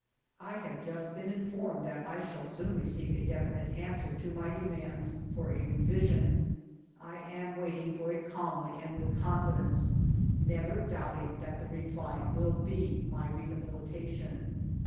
I have just been informed that I shall soon receive a definite answer to my de mands for a revision. I am waiting for it calmly and with confidence, never doubting that the reply will be my rehabilitation.